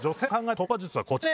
突破術がこちら！